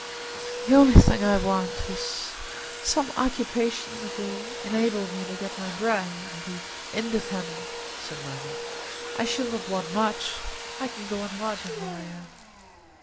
"The only thing I want is some occupation that will enable me to get my bread and be independent," said Maggie. "I shall not want much. I can go on lodging where I am."